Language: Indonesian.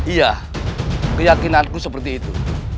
iya keyakinanku seperti itu